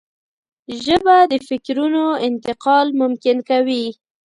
ژبه د فکرونو انتقال ممکن کوي